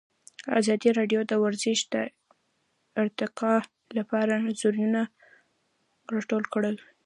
ازادي راډیو د ورزش د ارتقا لپاره نظرونه راټول کړي.